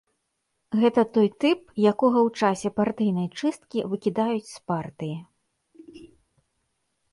Гэта той тып, якога ў часе партыйнай чысткі выкідаюць з партыі.